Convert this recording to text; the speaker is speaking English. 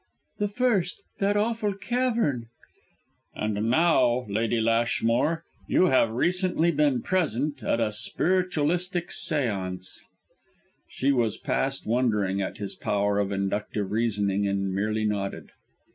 "The first; that awful cavern " "And now, Lady Lashmore you have recently been present at a spiritualistic séance." She was past wondering at his power of inductive reasoning, and merely nodded.